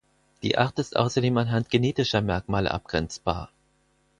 Die Art ist außerdem anhand genetischer Merkmale abgrenzbar.